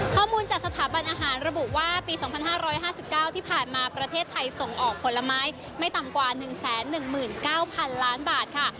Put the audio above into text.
ข้อมูลจากสถาบันอาหารระบุว่าปี๒๕๕๙ที่ผ่านมาประเทศไทยส่งออกผลไม้ไม่ต่ำกว่า๑๑๙๐๐๐ล้านบาทค่ะ